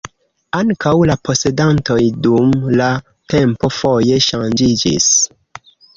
Ankaŭ la posedantoj dum la tempo foje ŝanĝiĝis.